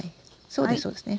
そうですそうですね。